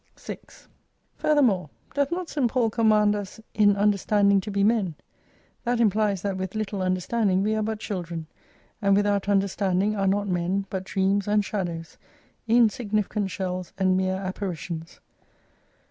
6 Furthermore doth not St. Paul command us in under standing to he men ? Tliat implies that with little under standing we are but children, and without understanding are not men, but dreams and shadows, insignificant shells and mere apparitions.